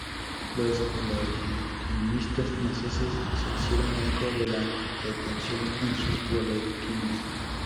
Los legitimistas franceses se hicieron eco de la pretensión en sus boletines.